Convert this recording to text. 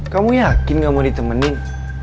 kamu yakin gak mau ditemenin